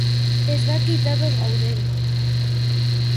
Ez dakit ados gauden.